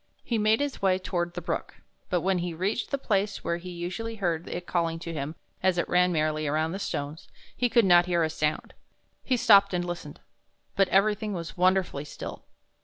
He made his way toward the brook, but when he reached the place where he usually heard it calling to him as it ran merrily over the stones, he could not hear a sound. He stopped and listened, but everything was wonderfully still.